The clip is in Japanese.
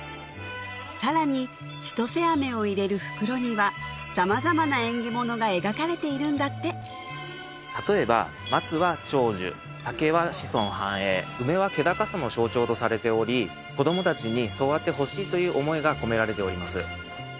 さらに千歳飴を入れる袋には様々な縁起物が描かれているんだって例えば松は長寿竹は子孫繁栄梅は気高さの象徴とされており子ども達にそうあってほしいという思いが込められております